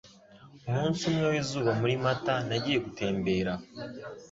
Umunsi umwe wizuba muri Mata, nagiye gutembera.